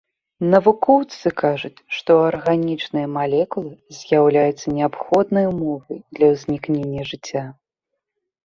Навукоўцы кажуць, што арганічныя малекулы з'яўляюцца неабходнай умовай для ўзнікнення жыцця.